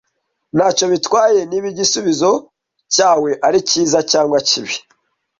Ntacyo bitwaye niba igisubizo cyawe ari cyiza cyangwa kibi.